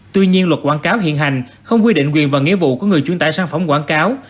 tuy nhiên luật quảng cáo hiện hành không quy định quyền và nghĩa vụ của người chuyển tải sản phẩm quảng cáo